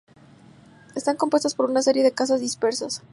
Están compuestas por una serie de casas dispersas.